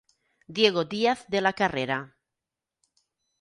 Diego Díaz de la Carrera.